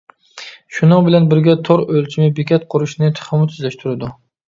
شۇنىڭ بىلەن بىرگە تور ئۆلچىمى بېكەت قۇرۇشنى تېخىمۇ تېزلەشتۈرىدۇ.